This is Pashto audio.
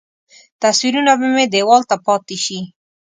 تصویرونه به مې دیوال ته پاتې شي.